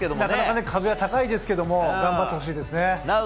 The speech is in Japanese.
なかなか壁は高いですけど頑張ってほしいですね。